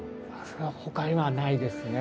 それはほかにはないですね。